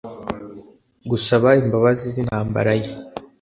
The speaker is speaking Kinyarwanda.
gusaba imbabazi z'intambara ye.